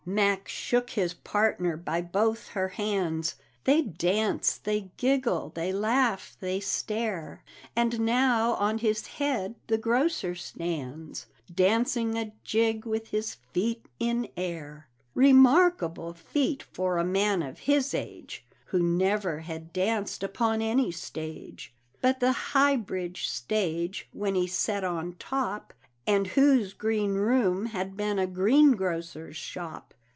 Mac shook his partner by both her hands; They dance, they giggle, they laugh, they stare; And now on his head the grocer stands, Dancing a jig with his feet in air Remarkable feat for a man of his age, Who never had danced upon any stage But the High Bridge stage, when he set on top, And whose green room had been a green grocer's shop.